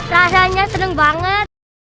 rasanya seneng banget